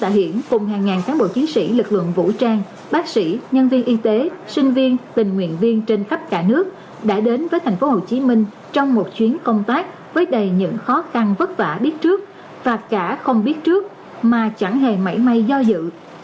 tổ chức chi viện cùng hàng ngàn cán bộ chiến sĩ lực lượng vũ trang bác sĩ nhân viên y tế sinh viên tình nguyện viên trên khắp cả nước đã đến với thành phố hồ chí minh trong một chuyến công tác với đầy những khó khăn vất vả biết trước và cả không biết trước mà chẳng hề mảy may do dự